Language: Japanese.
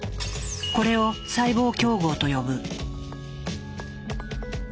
これを「細胞競合」と呼ぶ。